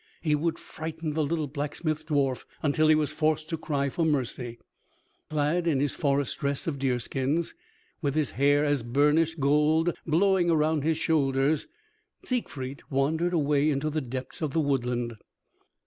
He would frighten the little blacksmith dwarf until he was forced to cry for mercy. Clad in his forest dress of deerskins, with his hair as burnished gold blowing around his shoulders, Siegfried wandered away into the depths of the woodland.